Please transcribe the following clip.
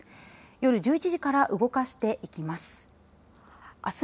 夜１１時から動かしていきます。